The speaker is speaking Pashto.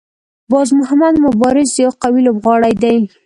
باز محمد مبارز یو قوي لوبغاړی دی.